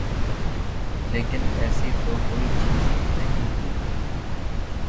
لیکن ایسی تو کوئی چیز نہیں ہوئی۔